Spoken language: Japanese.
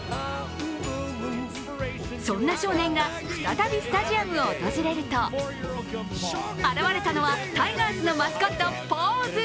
そんな少年が再びスタジアムを訪れると、現れたのはタイガースのマスコット、ポーズ。